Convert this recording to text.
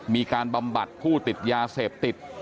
บำบัดผู้ติดยาเสพติด